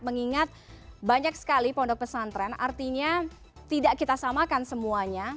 mengingat banyak sekali pondok pesantren artinya tidak kita samakan semuanya